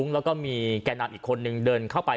แล้วก็มีแก่นำอีกคนนึงเดินเข้าไป